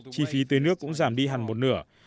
chi phí tưới nước cũng giảm đi hẳn một nửa